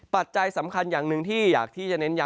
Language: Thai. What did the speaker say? ปัจจัยสำคัญอย่างหนึ่งที่อยากที่จะเน้นย้ำ